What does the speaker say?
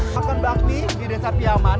makan bakmi di desa piaman